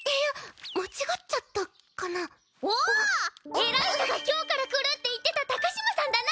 偉い人が今日から来るって言ってた高嶋さんだな？